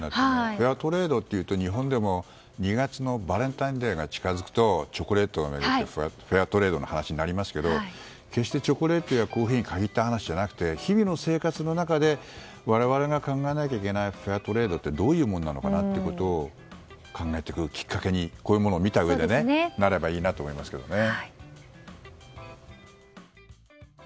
フェアトレードっていうと日本でも２月のバレンタインデーが近づくと、チョコレートを巡ってフェアトレードの話になりますが決してチョコレートやコーヒーに限った話ではなくて日々の生活の中で我々が考えなければいけないフェアトレードってどういうものなのかなということを考えていくきっかけになればいいなと思いますけどね。